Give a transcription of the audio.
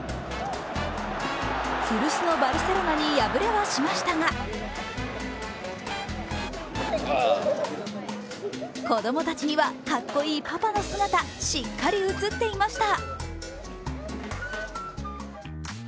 古巣のバルセロナに敗れはしましたが、子供たちにはかっこいいパパの姿しっかり映っていました。